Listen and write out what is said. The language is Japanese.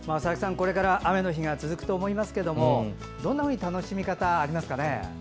これから雨の日が続くと思いますがどんな楽しみ方がありますか。